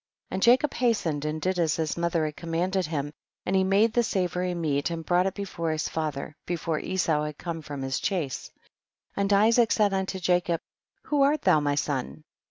6. And Jacob hastened and did as his mother had commanded him, and he made the savory meat and brought THE BOOK OF JASHER. 81 it before his father before Esau had come from his chase. 7. And Isaac said unto Jacob, who art thon, my son